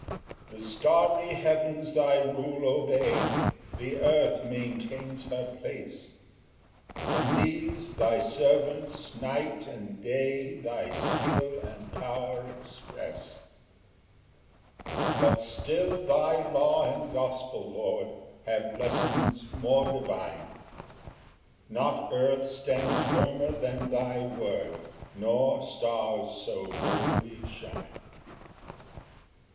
Ver. 89 90 91. 6 [The starry heavens thy rule obey, The earth maintains her place; And these thy servants night and day Thy skill and power express! 7 But still thy law and gospel, Lord, Have lessons more divine; Not earth stands firmer than thy word, Nor stars so nobly shine.] Ver. 160 140 9 116.